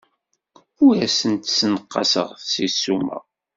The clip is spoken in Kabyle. Ur asent-d-ssenqaseɣ deg ssuma.